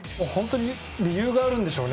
理由があるんでしょうね。